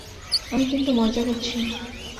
আমি কিন্তু মজা করছি না।